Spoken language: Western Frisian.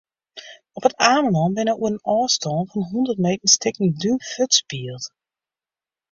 Op It Amelân binne oer in ôfstân fan hûndert meter stikken dún fuortspield.